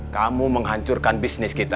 kamu menghancurkan bisnis kita